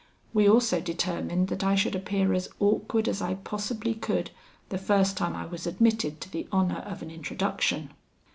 We also determined that I should appear as awkward as I possibly could the first time I was admitted to the honour of an introduction.